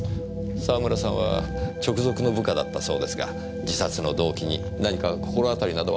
沢村さんは直属の部下だったそうですが自殺の動機に何か心当たりなどはありませんか？